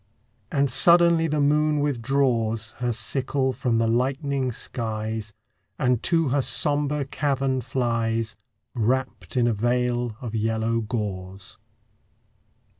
And suddenly the moon withdraws Her sickle from the lightening skies, And to her sombre cavern flies, Wrapped in a veil of yellow gauze.